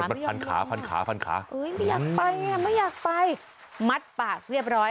มันพันขาไม่อยากไปมัดปากเรียบร้อย